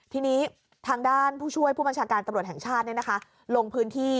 ทีนี้ทางด้านผู้ช่วยผู้บัญชาการตำรวจแห่งชาติลงพื้นที่